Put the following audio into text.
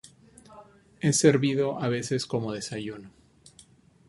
Es servido a veces como desayuno.